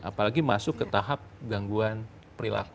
apalagi masuk ke tahap gangguan perilaku